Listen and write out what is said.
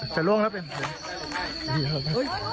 จะล้วนละเปลี่ยน